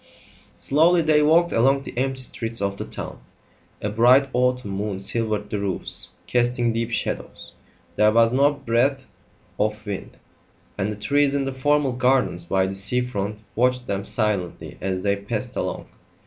Slowly they walked along the empty streets of the town; a bright autumn moon silvered the roofs, casting deep shadows; there was no breath of wind; and the trees in the formal gardens by the sea front watched them silently as they passed along.